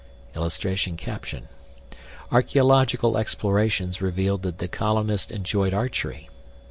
[Illustration: ARCHEOLOGICAL EXPLORATIONS REVEALED THAT THE COLONISTS ENJOYED ARCHERY.